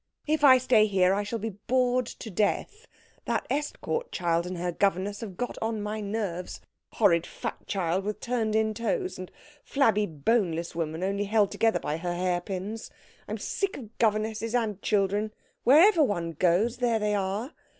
"If I stay here I shall be bored to death that Estcourt child and her governess have got on to my nerves horrid fat child with turned in toes, and flabby, boneless woman, only held together by her hairpins. I am sick of governesses and children wherever one goes, there they are.